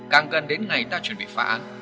càng gần đến ngày ta chuẩn bị phá án